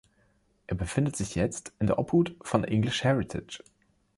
Er befindet sich jetzt in der Obhut von English Heritage.